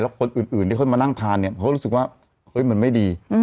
แล้วคนอื่นที่ค่อยมานั่งทานเขารู้สึกว่ามันไม่ดี